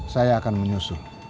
saya akan menyusul